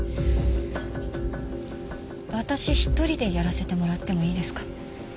私一人でやらせてもらってもいいですか？